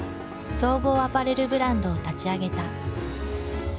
総合アパレルブランドを立ち上げた。